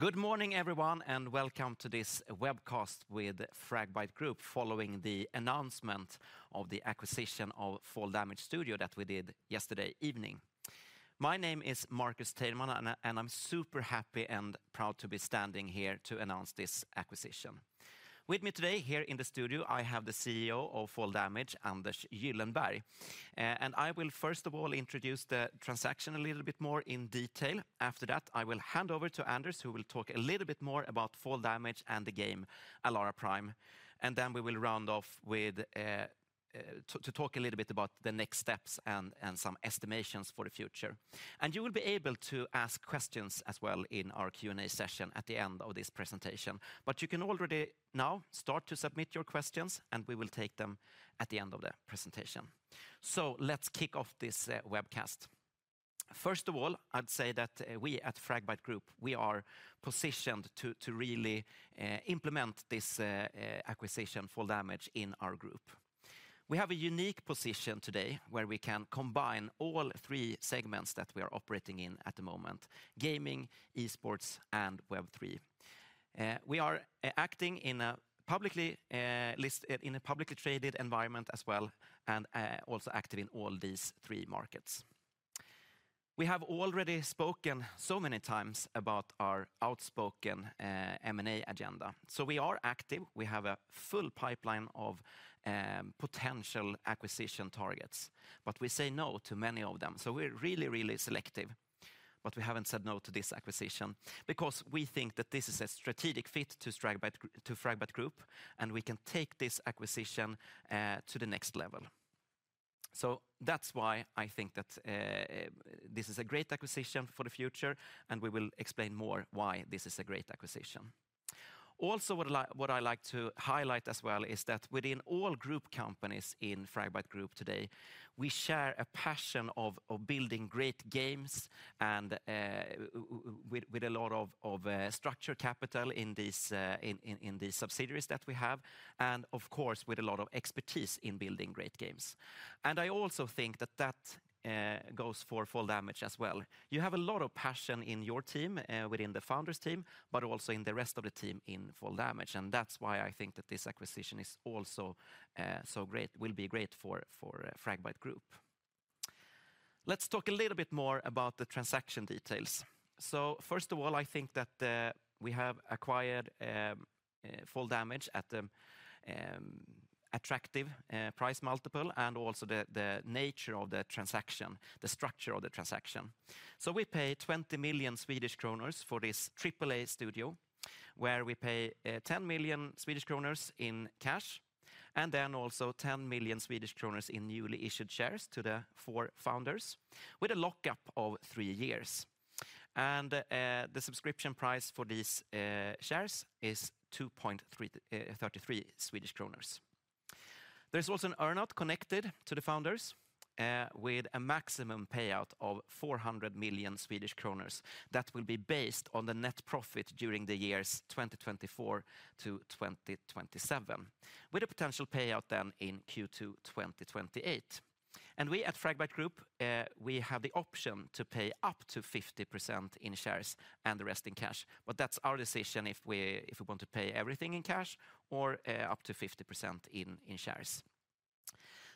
Good morning, everyone, and welcome to this webcast with Fragbite Group, following the announcement of the acquisition of Fall Damage Studio that we did yesterday evening. My name is Marcus Teilman, and I'm super happy and proud to be standing here to announce this acquisition. With me today, here in the studio, I have the CEO of Fall Damage, Anders Gyllenberg. I will first of all introduce the transaction a little bit more in detail. After that, I will hand over to Anders, who will talk a little bit more about Fall Damage and the game, ALARA Prime. Then we will round off to talk a little bit about the next steps and some estimations for the future. You will be able to ask questions as well in our Q&A session at the end of this presentation. You can already now start to submit your questions, and we will take them at the end of the presentation. Let's kick off this webcast. First of all, I'd say that we at Fragbite Group, we are positioned to really implement this acquisition, Fall Damage, in our group. We have a unique position today where we can combine all three segments that we are operating in at the moment: gaming, esports, and Web3. We are acting in a publicly listed, in a publicly traded environment as well, and also active in all these three markets. We have already spoken so many times about our outspoken M&A agenda. We are active, we have a full pipeline of potential acquisition targets, but we say no to many of them, so we're really, really selective. But we haven't said no to this acquisition, because we think that this is a strategic fit to Fragbite Group, and we can take this acquisition to the next level. So that's why I think that this is a great acquisition for the future, and we will explain more why this is a great acquisition. Also, what I like, what I like to highlight as well, is that within all group companies in Fragbite Group today, we share a passion of building great games and with a lot of structure capital in these subsidiaries that we have, and of course, with a lot of expertise in building great games. And I also think that that goes for Fall Damage as well. You have a lot of passion in your team, within the founders team, but also in the rest of the team in Fall Damage, and that's why I think that this acquisition is also so great—will be great for, for Fragbite Group. Let's talk a little bit more about the transaction details. First of all, I think that we have acquired Fall Damage at the attractive price multiple, and also the nature of the transaction, the structure of the transaction. We pay 20 million Swedish kronor for this AAA studio, where we pay 10 million Swedish kronor in cash, and then also 10 million Swedish kronor in newly issued shares to the four founders, with a lockup of three years. The subscription price for these shares is 2.33 Swedish kronor. There's also an earn-out connected to the founders, with a maximum payout of 400 million Swedish kronor. That will be based on the net profit during the years 2024 -2027, with a potential payout then in Q2 2028. We at Fragbite Group, we have the option to pay up to 50% in shares and the rest in cash. That's our decision if we want to pay everything in cash or up to 50% in shares.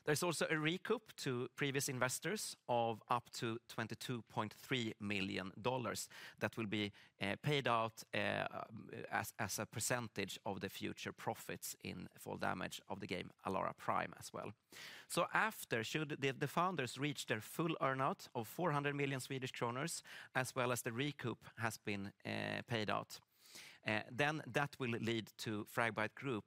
There's also a recoup to previous investors of up to $22.3 million that will be paid out as a percentage of the future profits in Fall Damage of the game, ALARA Prime, as well. After, should the founders reach their full earn-out of 400 million Swedish kronor Swedish kronors, as well as the recoup has been paid out, that will lead to Fragbite Group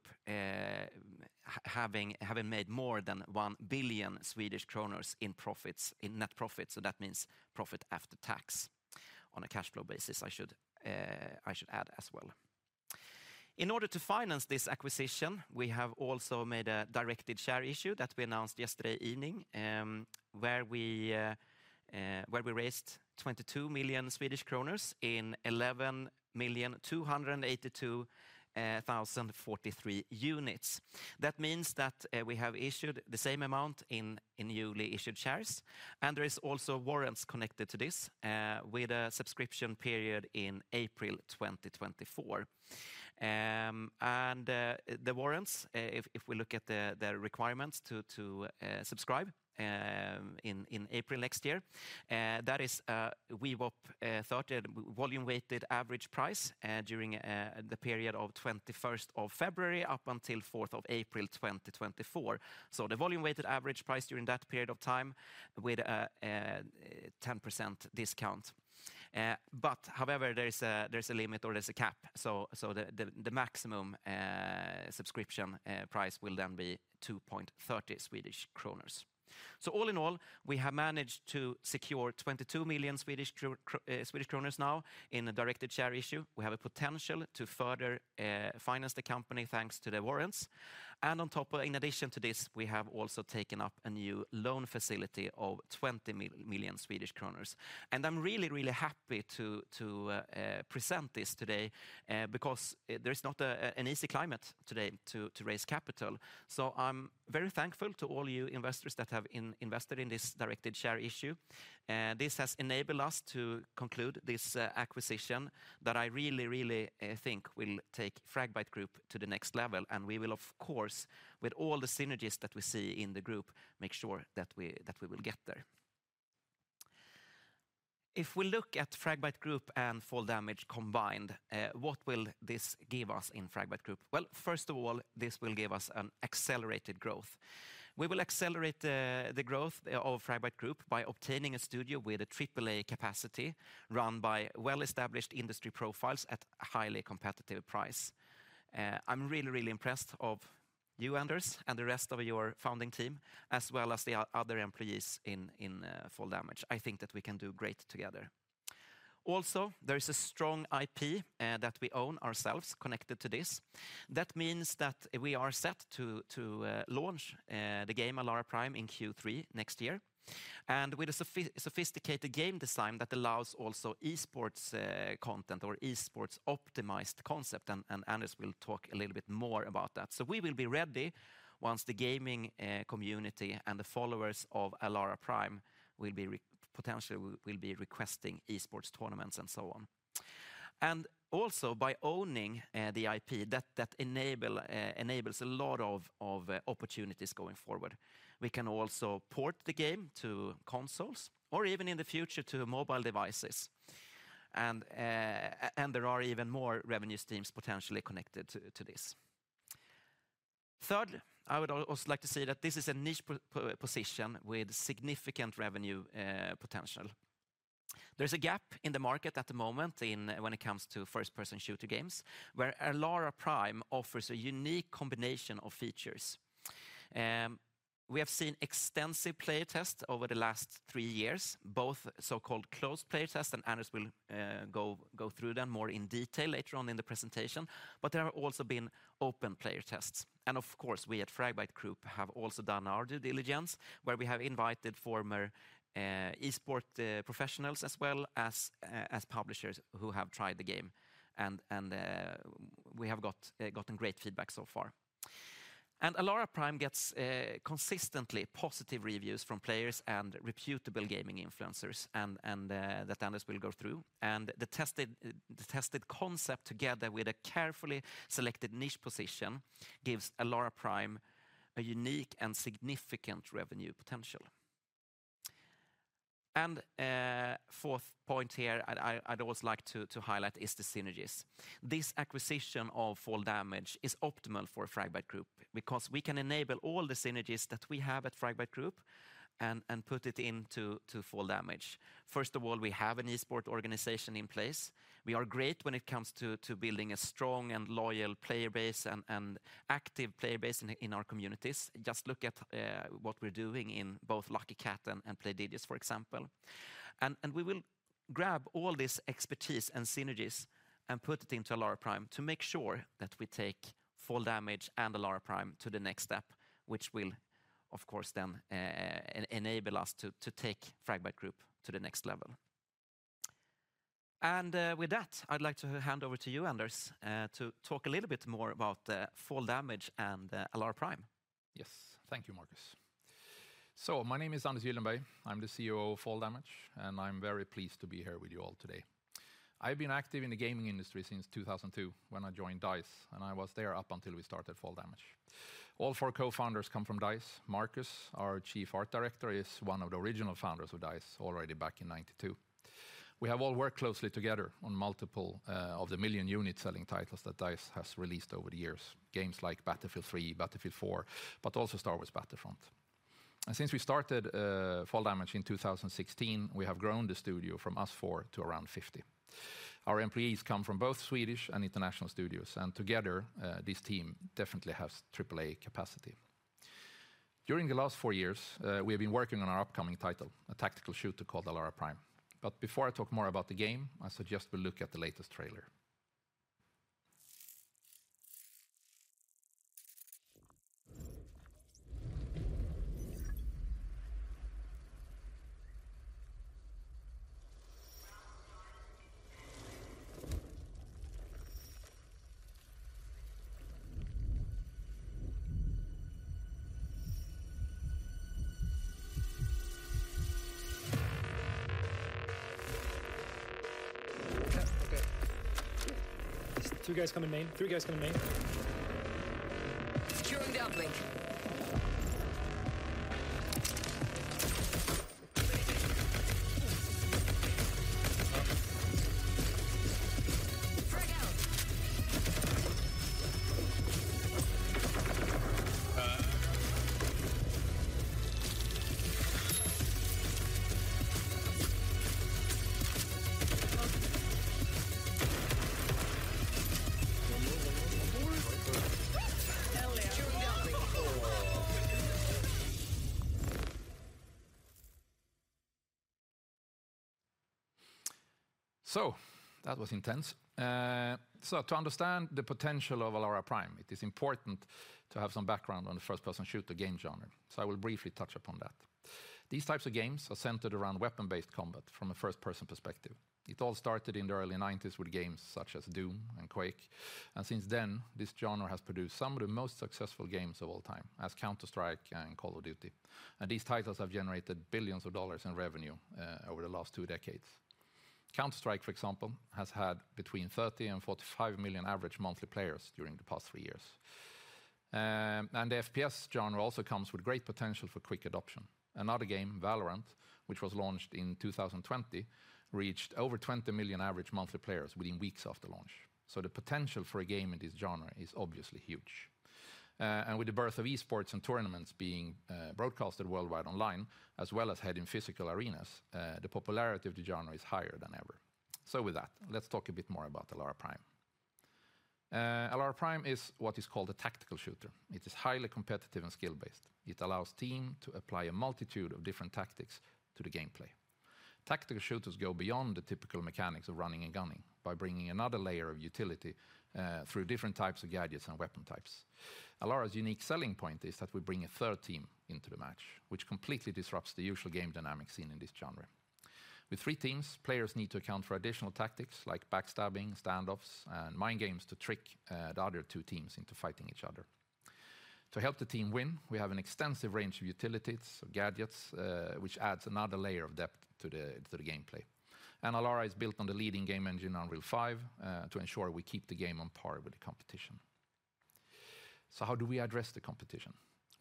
having made more than 1 billion Swedish kronors in profits, in net profits, so that means profit after tax on a cash flow basis, I should add as well. In order to finance this acquisition, we have also made a directed share issue that we announced yesterday evening, where we raised 22 million Swedish kronor Swedish kronors in 11,282,043 units. That means that we have issued the same amount in newly issued shares, and there is also warrants connected to this, with a subscription period in April 2024. And the warrants, if we look at the requirements to subscribe in April next year, that is VWAP 30, Volume-Weighted Average Price, during the period of twenty-first of February up until fourth of April 2024. So the volume-weighted average price during that period of time with a 10% discount. But however, there is a limit or there's a cap, so the maximum subscription price will then be 2.30 Swedish kronor. So all in all, we have managed to secure 22 million now in a directed share issue. We have a potential to further finance the company, thanks to the warrants. In addition to this, we have also taken up a new loan facility of 20 million Swedish kronor. I'm really, really happy to present this today because there is not an easy climate today to raise capital. So I'm very thankful to all you investors that have invested in this directed share issue. This has enabled us to conclude this acquisition that I really, really think will take Fragbite Group to the next level, and we will, of course, with all the synergies that we see in the group, make sure that we will get there. If we look at Fragbite Group and Fall Damage combined, what will this give us in Fragbite Group? Well, first of all, this will give us an accelerated growth. We will accelerate the growth of Fragbite Group by obtaining a studio with a triple-A capacity, run by well-established industry profiles at a highly competitive price. I'm really, really impressed of you, Anders, and the rest of your founding team, as well as the other employees in Fall Damage. I think that we can do great together. Also, there is a strong IP that we own ourselves connected to this. That means that we are set to launch the game, ALARA Prime, in Q3 next year. And with a sophisticated game design that allows also esports content or esports optimized concept, and Anders will talk a little bit more about that. We will be ready once the gaming community and the followers of ALARA Prime will be potentially requesting esports tournaments and so on. Also, by owning the IP, that enables a lot of opportunities going forward. We can also port the game to consoles or even in the future, to mobile devices. There are even more revenue streams potentially connected to this. Third, I would also like to say that this is a niche position with significant revenue potential. There's a gap in the market at the moment when it comes to first-person shooter games, where ALARA Prime offers a unique combination of features. We have seen extensive player tests over the last three years, both so-called closed player tests, and Anders will go through them more in detail later on in the presentation. There have also been open player tests. Of course, we at Fragbite Group have also done our due diligence, where we have invited former eSport professionals as well as publishers who have tried the game, and we have gotten great feedback so far. ALARA Prime gets consistently positive reviews from players and reputable gaming influencers, and that Anders will go through. The tested concept, together with a carefully selected niche position, gives ALARA Prime a unique and significant revenue potential. Fourth point here, I'd also like to highlight is the synergies. This acquisition of Fall Damage is optimal for Fragbite Group because we can enable all the synergies that we have at Fragbite Group and put it into Fall Damage. First of all, we have an esports organization in place. We are great when it comes to building a strong and loyal player base and active player base in our communities. Just look at what we're doing in both Lucky Kat and Playdigious, for example. And we will grab all this expertise and synergies and put it into ALARA Prime to make sure that we take Fall Damage and ALARA Prime to the next step, which will, of course, then enable us to take Fragbite Group to the next level. And, with that, I'd like to hand over to you, Anders, to talk a little bit more about Fall Damage and ALARA Prime. Yes. Thank you, Marcus. My name is Anders Gyllenberg. I'm the CEO of Fall Damage, and I'm very pleased to be here with you all today. I've been active in the gaming industry since 2002 when I joined DICE, and I was there up until we started Fall Damage. All four co-founders come from DICE. Markus, our Chief Art Director, is one of the original founders of DICE already back in 1992. We have all worked closely together on multiple of the million unit-selling titles that DICE has released over the years, games like Battlefield 3, Battlefield 4, but also Star Wars Battlefront. And since we started Fall Damage in 2016, we have grown the studio from us four to around 50. Our employees come from both Swedish and international studios, and together this team definitely has triple-A capacity. During the last four years, we have been working on our upcoming title, a tactical shooter called ALARA Prime. But before I talk more about the game, I suggest we look at the latest trailer. Two guys coming main. Three guys coming main. Securing downlink. Frag out! So that was intense. So to understand the potential of ALARA Prime, it is important to have some background on the first-person shooter game genre, so I will briefly touch upon that. These types of games are centered around weapon-based combat from a first-person perspective. It all started in the early 1990s with games such as Doom and Quake, and since then, this genre has produced some of the most successful games of all time as Counter-Strike and Call of Duty. These titles have generated $ billions in revenue over the last two decades. Counter-Strike, for example, has had between 30 million and 45 million average monthly players during the past three years. The FPS genre also comes with great potential for quick adoption. Another game, Valorant, which was launched in 2020, reached over 20 million average monthly players within weeks after launch. So the potential for a game in this genre is obviously huge. With the birth of Esports and tournaments being broadcast worldwide online, as well as held in physical arenas, the popularity of the genre is higher than ever. So with that, let's talk a bit more about ALARA Prime. ALARA Prime is what is called a tactical shooter. It is highly competitive and skill-based. It allows team to apply a multitude of different tactics to the gameplay. Tactical shooters go beyond the typical mechanics of running and gunning by bringing another layer of utility through different types of gadgets and weapon types. ALARA's unique selling point is that we bring a third team into the match, which completely disrupts the usual game dynamics seen in this genre. With three teams, players need to account for additional tactics like backstabbing, standoffs, and mind games to trick the other two teams into fighting each other. To help the team win, we have an extensive range of utilities, of gadgets, which adds another layer of depth to the gameplay. ALARA is built on the leading game engine, Unreal 5, to ensure we keep the game on par with the competition. So how do we address the competition?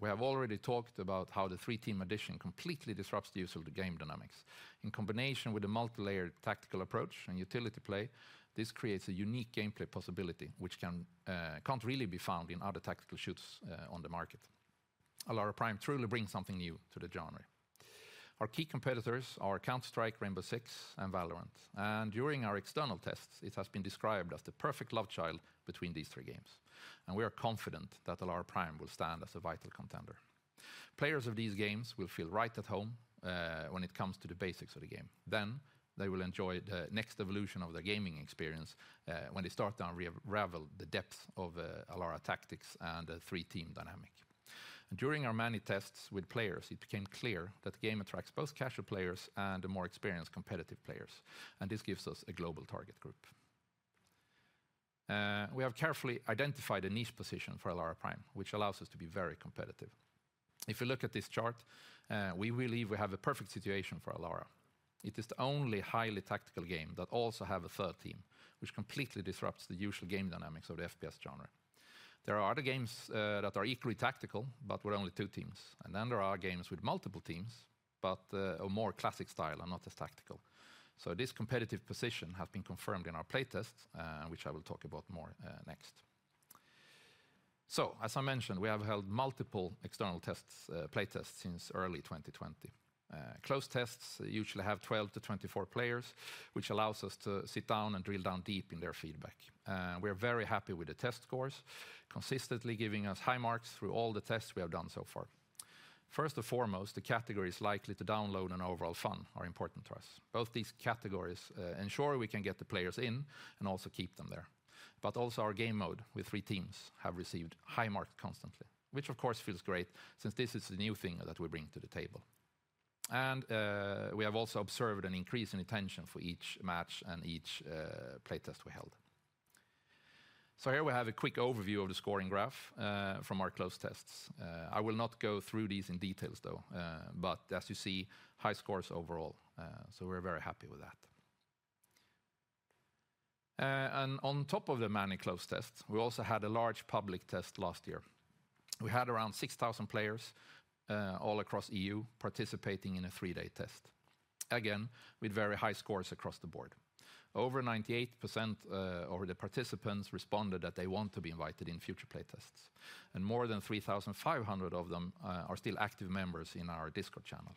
We have already talked about how the three-team addition completely disrupts the use of the game dynamics. In combination with a multilayered tactical approach and utility play, this creates a unique gameplay possibility, which can't really be found in other tactical shooters on the market. ALARA Prime truly brings something new to the genre. Our key competitors are Counter-Strike, Rainbow Six, and Valorant, and during our external tests, it has been described as the perfect lovechild between these three games, and we are confident that ALARA Prime will stand as a vital contender. Players of these games will feel right at home when it comes to the basics of the game. Then, they will enjoy the next evolution of their gaming experience when they start to unravel the depth of ALARA tactics and the three-team dynamic. During our many tests with players, it became clear that the game attracts both casual players and the more experienced, competitive players, and this gives us a global target group. We have carefully identified a niche position for ALARA Prime, which allows us to be very competitive. If you look at this chart, we believe we have a perfect situation for ALARA. It is the only highly tactical game that also have a third team, which completely disrupts the usual game dynamics of the FPS genre. There are other games that are equally tactical, but with only two teams, and then there are games with multiple teams, but a more classic style and not as tactical. So this competitive position have been confirmed in our play tests, which I will talk about more, next. As I mentioned, we have held multiple external tests, play tests since early 2020. Closed tests usually have 12 to 24 players, which allows us to sit down and drill down deep in their feedback. We're very happy with the test scores, consistently giving us high marks through all the tests we have done so far. First and foremost, the category is likely to download, and overall fun are important to us. Both these categories ensure we can get the players in and also keep them there, but also our game mode with three teams have received high marks constantly. Which of course feels great since this is the new thing that we bring to the table. We have also observed an increase in attention for each match and each play test we held. Here we have a quick overview of the scoring graph, from our closed tests. I will not go through these in detail, though, but as you see, high scores overall, so we're very happy with that. On top of the many closed tests, we also had a large public test last year. We had around 6,000 players, all across EU, participating in a 3-day test. Again, with very high scores across the board. Over 98% of the participants responded that they want to be invited in future play tests, and more than 3,500 of them are still active members in our Discord channel.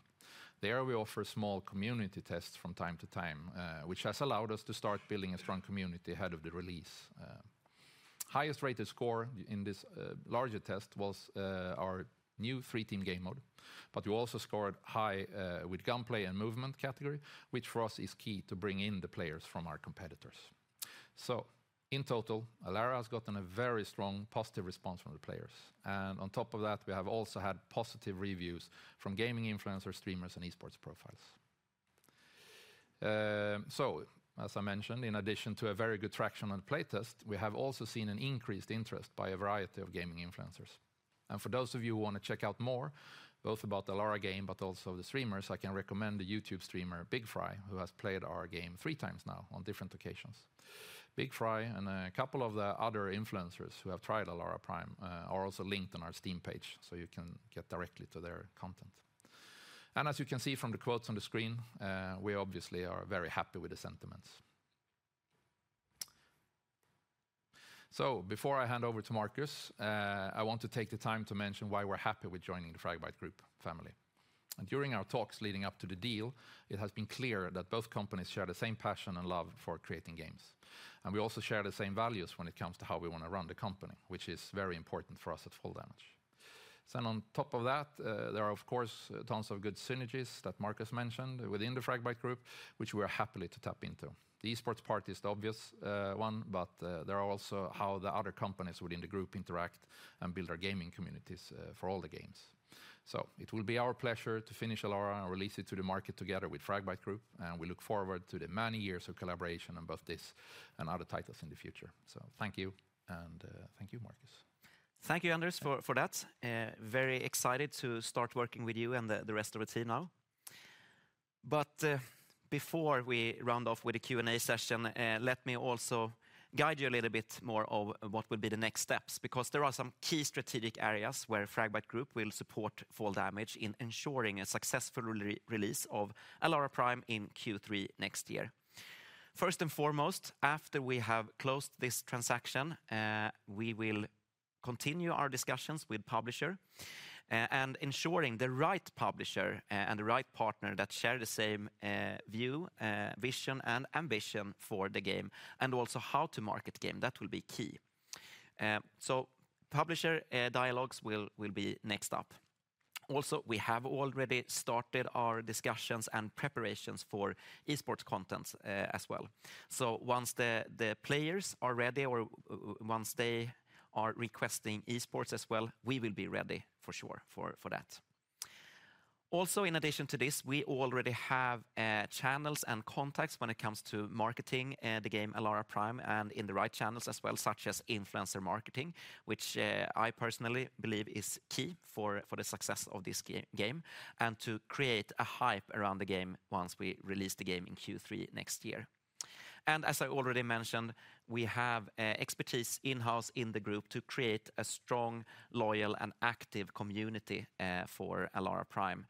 There, we offer small community tests from time to time, which has allowed us to start building a strong community ahead of the release. Highest-rated score in this larger test was our new three-team game mode, but we also scored high with gunplay and movement category, which for us is key to bring in the players from our competitors. So in total, ALARA has gotten a very strong, positive response from the players, and on top of that, we have also had positive reviews from gaming influencers, streamers, and Esports profiles. As I mentioned, in addition to a very good traction on play test, we have also seen an increased interest by a variety of gaming influencers. For those of you who want to check out more, both about the ALARA game, but also the streamers, I can recommend the YouTube streamer, Bigfry, who has played our game three times now on different occasions. Bigfry and a couple of the other influencers who have tried ALARA Prime are also linked on our Steam page, so you can get directly to their content. And as you can see from the quotes on the screen, we obviously are very happy with the sentiments. So before I hand over to Marcus, I want to take the time to mention why we're happy with joining the Fragbite Group family. And during our talks leading up to the deal, it has been clear that both companies share the same passion and love for creating games. And we also share the same values when it comes to how we wanna run the company, which is very important for us at Fall Damage.... Then on top of that, there are, of course, tons of good synergies that Marcus mentioned within the Fragbite Group, which we are happily to tap into. The esports part is the obvious, one, but, there are also how the other companies within the group interact and build our gaming communities, for all the games. So it will be our pleasure to finish ALARA and release it to the market together with Fragbite Group, and we look forward to the many years of collaboration on both this and other titles in the future. So thank you, and, thank you, Marcus. Thank you, Anders, for that. Very excited to start working with you and the rest of the team now. But before we round off with the Q&A session, let me also guide you a little bit more of what will be the next steps, because there are some key strategic areas where Fragbite Group will support Fall Damage in ensuring a successful release of ALARA Prime in Q3 next year. First and foremost, after we have closed this transaction, we will continue our discussions with publisher and ensuring the right publisher and the right partner that share the same view, vision, and ambition for the game, and also how to market the game. That will be key. So publisher dialogues will be next up. Also, we have already started our discussions and preparations for esports content, as well. So once the players are ready or once they are requesting esports as well, we will be ready for sure, for that. Also, in addition to this, we already have channels and contacts when it comes to marketing the game ALARA Prime and in the right channels as well, such as influencer marketing, which I personally believe is key for the success of this game, and to create a hype around the game once we release the game in Q3 next year. And as I already mentioned, we have expertise in-house in the group to create a strong, loyal, and active community for ALARA Prime,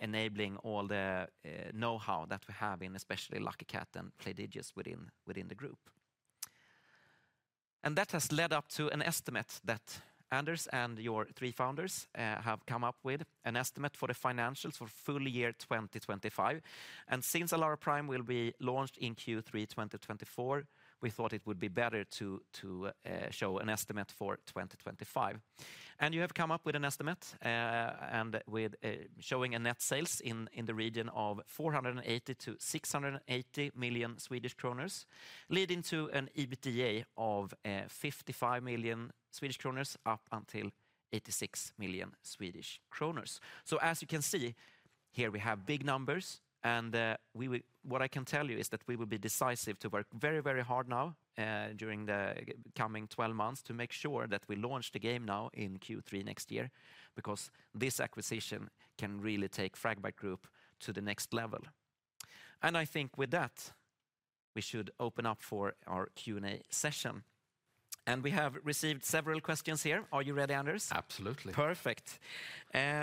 enabling all the know-how that we have in especially Lucky Kat and Playdigious within the group. That has led up to an estimate that Anders and your three founders have come up with, an estimate for the financials for full-year 2025. And since ALARA Prime will be launched in Q3 2024, we thought it would be better to show an estimate for 2025. And you have come up with an estimate, and with showing net sales in the region of 480 million-680 million Swedish kronor, leading to an EBITDA of 55 million Swedish kronor up until 86 million Swedish kronor. So as you can see, here we have big numbers, and, what I can tell you is that we will be decisive to work very, very hard now, during the coming 12 months to make sure that we launch the game now in Q3 next year, because this acquisition can really take Fragbite Group to the next level. And I think with that, we should open up for our Q&A session. And we have received several questions here. Are you ready, Anders? Absolutely. Perfect.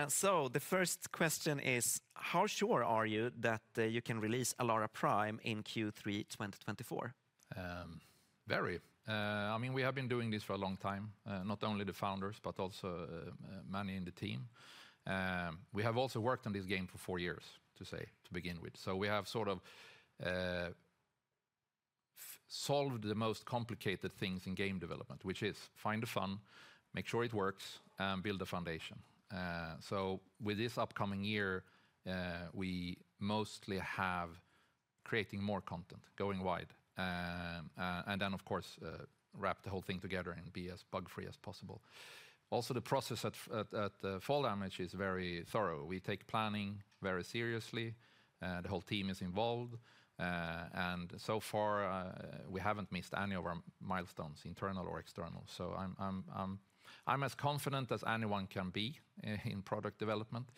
So the first question is: How sure are you that you can release ALARA Prime in Q3 2024? Very. I mean, we have been doing this for a long time, not only the founders, but also many in the team. We have also worked on this game for four years, to say, to begin with. We have sort of solved the most complicated things in game development, which is find the fun, make sure it works, and build a foundation. With this upcoming year, we mostly have creating more content, going wide, and then, of course, wrap the whole thing together and be as bug-free as possible. Also, the process at Fall Damage is very thorough. We take planning very seriously, the whole team is involved, and so far, we haven't missed any of our milestones, internal or external. I'm as confident as anyone can be in product development,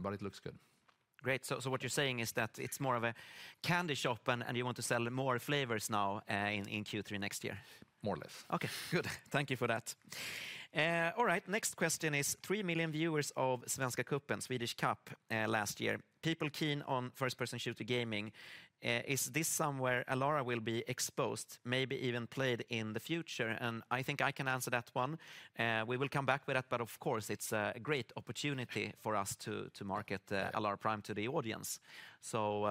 but it looks good. Great. So what you're saying is that it's more of a candy shop, and you want to sell more flavors now, in Q3 next year? More or less. Okay, good. Thank you for that. All right, next question is: 3 million viewers of Svenska Cupen, Swedish Cup, last year. People keen on first-person shooter gaming, is this somewhere ALARA Prime will be exposed, maybe even played in the future? And I think I can answer that one. We will come back with that, but of course, it's a great opportunity for us to market ALARA Prime to the audience. So,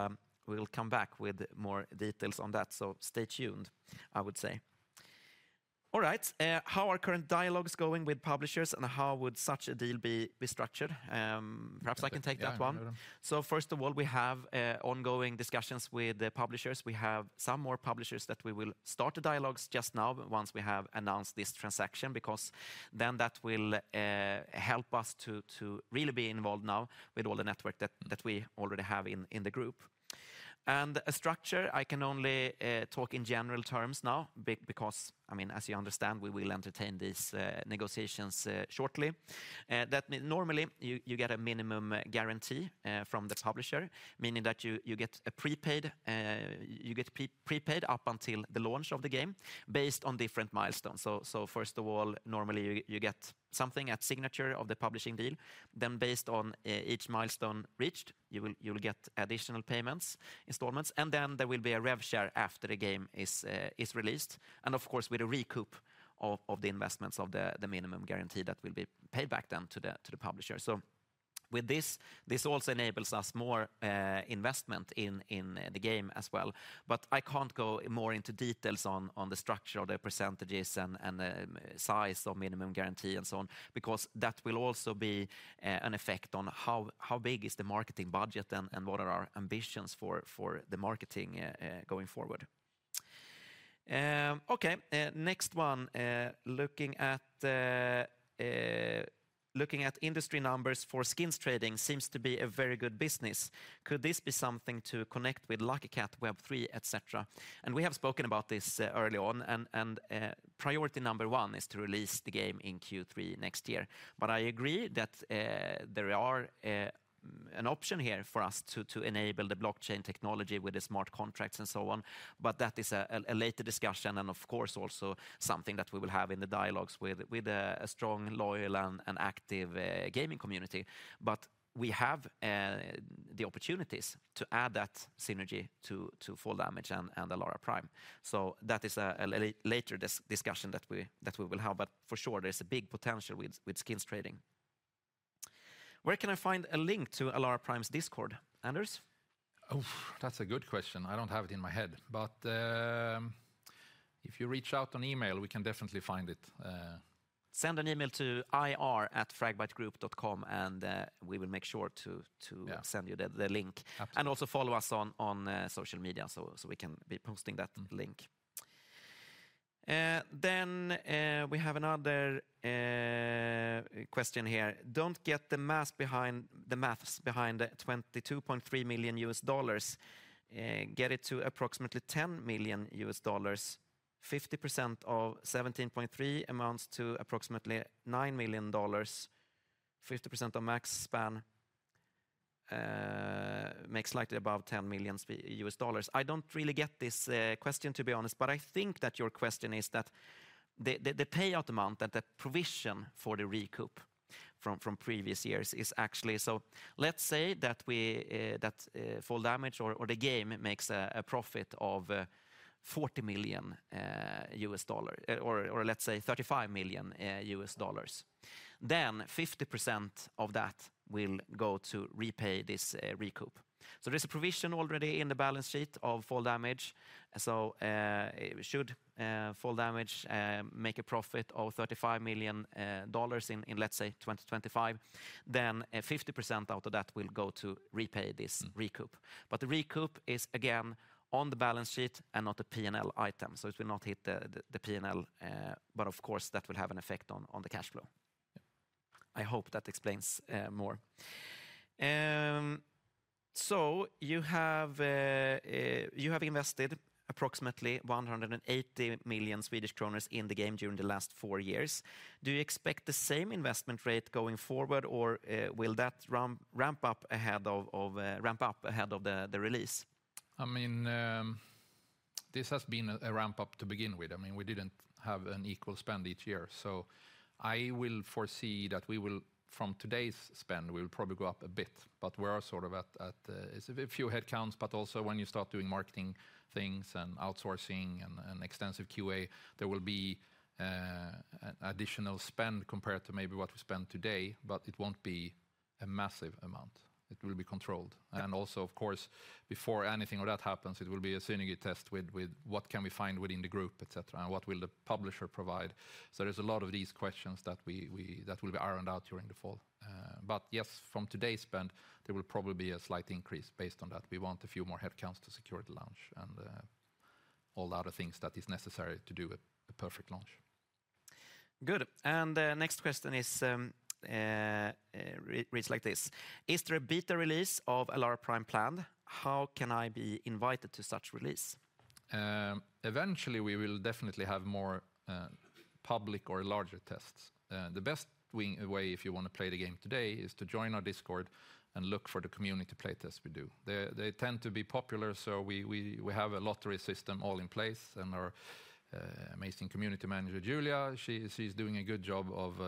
we will come back with more details on that, so stay tuned, I would say. All right, how are current dialogues going with publishers, and how would such a deal be structured? Perhaps I can take that one. Yeah. So first of all, we have ongoing discussions with the publishers. We have some more publishers that we will start the dialogues just now, once we have announced this transaction, because then that will help us to really be involved now with all the network that we already have in the group. And a structure, I can only talk in general terms now, because, I mean, as you understand, we will entertain these negotiations shortly. Normally, you get a minimum guarantee from the publisher, meaning that you get a prepaid up until the launch of the game, based on different milestones. So first of all, normally, you get something at signature of the publishing deal. Then, based on each milestone reached, you will get additional payments, installments, and then there will be a rev share after the game is released, and of course, with a recoup of the investments of the minimum guarantee that will be paid back then to the publisher. So, with this, this also enables us more investment in the game as well. But I can't go more into details on the structure of the percentages and the size of minimum guarantee and so on, because that will also be an effect on how big is the marketing budget and what are our ambitions for the marketing going forward. Okay, next one, looking at industry numbers for skins trading seems to be a very good business. Could this be something to connect with Lucky Kat Web3, et cetera? We have spoken about this early on, and priority number one is to release the game in Q3 next year. I agree that there are an option here for us to enable the blockchain technology with the smart contracts and so on, that is a later discussion, and of course, also something that we will have in the dialogues with a strong, loyal, and active gaming community. We have the opportunities to add that synergy to Fall Damage and ALARA Prime. So that is a later discussion that we will have, but for sure, there's a big potential with skins trading. Where can I find a link to ALARA Prime's Discord? Anders? Oh, that's a good question. I don't have it in my head, but if you reach out on email, we can definitely find it. Send an email to ir@fragbitegroup.com, and we will make sure to Yeah... send you the link. Absolutely. Also follow us on social media, so we can be posting that link. Mm-hmm. Then, we have another question here. I don't get the math behind the $22.3 million, get it to approximately $10 million. 50% of 17.3 amounts to approximately $9 million. 50% of max span makes slightly above $10 million. I don't really get this question, to be honest, but I think that your question is that the payout amount, that the provision for the recoup from previous years is actually... So let's say that Fall Damage or the game makes a profit of $40 million or let's say $35 million, then 50% of that will go to repay this recoup. So there's a provision already in the balance sheet of Fall Damage, so, should Fall Damage make a profit of $35 million in, let's say, 2025, then, 50% out of that will go to repay this recoup. Mm. But the recoup is, again, on the balance sheet and not a P&L item, so it will not hit the P&L. But of course, that will have an effect on the cash flow. Yeah. I hope that explains more. So you have invested approximately 180 million Swedish kronor in the game during the last four years. Do you expect the same investment rate going forward, or will that ramp up ahead of the release? I mean, this has been a ramp up to begin with. I mean, we didn't have an equal spend each year, so I will foresee that we will, from today's spend, we will probably go up a bit, but we are sort of at... It's a few headcounts, but also when you start doing marketing things and outsourcing and extensive QA, there will be an additional spend compared to maybe what we spend today, but it won't be a massive amount. It will be controlled. Mm. And also, of course, before anything of that happens, it will be a synergy test with what can we find within the group, et cetera, and what will the publisher provide? So there's a lot of these questions that will be ironed out during the fall. But yes, from today's spend, there will probably be a slight increase based on that. We want a few more headcounts to secure the launch and all the other things that is necessary to do a perfect launch. Good. And, next question is, reads like this: Is there a beta release of ALARA Prime planned? How can I be invited to such release? Eventually, we will definitely have more public or larger tests. The best way if you want to play the game today is to join our Discord and look for the community playtest we do. They tend to be popular, so we have a lottery system all in place, and our amazing community manager, Julia, she's doing a good job of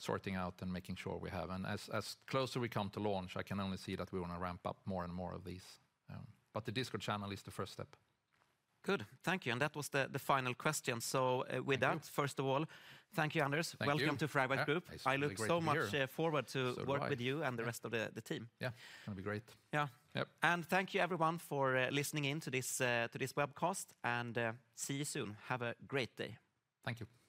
sorting out and making sure we have. And as closer we come to launch, I can only see that we wanna ramp up more and more of these, but the Discord channel is the first step. Good. Thank you, and that was the final question. So, Okay... with that, first of all, thank you, Anders. Thank you. Welcome to Fragbite Group. Yeah, it's great to be here. I look so much forward to- So do I.... work with you and the rest of the team. Yeah. It's gonna be great. Yeah. Yep. Thank you, everyone, for listening in to this webcast, and see you soon. Have a great day. Thank you.